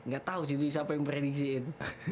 gak tau sih disitu siapa yang prediksiin